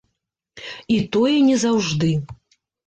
І тое не заўжды.